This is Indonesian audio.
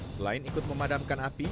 selain ikut memadamkan api